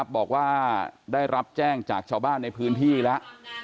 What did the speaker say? บอกว่าได้รับแจ้งจากชาวบ้านในพื้นที่แล้ว